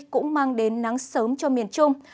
cũng mang đến nắng sớm cho miền trung